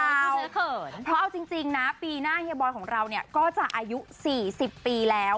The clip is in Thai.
โอ้ยคุณเจ๊เขินเพราะเอาจริงนะปีหน้าเฮียบอยของเราก็จะอายุ๔๐ปีแล้ว